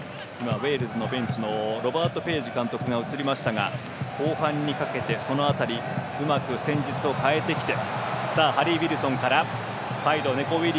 今、ウェールズのベンチのロバート・ページ監督が映りましたが後半にかけて、その辺りうまく戦術を変えてきて。